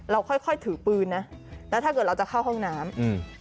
ค่อยค่อยถือปืนนะแล้วถ้าเกิดเราจะเข้าห้องน้ำอืม